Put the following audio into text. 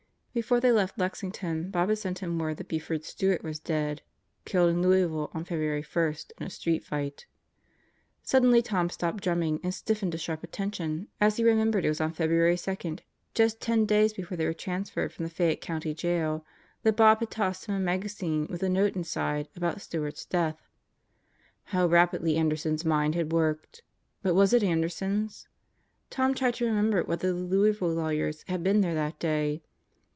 Before they left Lexington Bob had sent him word that Buf ord Stewart was dead killed in Louisville on February 1, in a street fight. Suddenly Tom stopped drumming and stiffened to sharp atten tion as he remembered it was on February 2, just ten days before they were transferred from the Fayette County Jail that Bob had tossed him a magazine with the note inside about Stewart's death. How rapidly Anderson's mind had worked! But was it Anderson's? Tom tried to remember whether the Louisville lawyers had been there that day.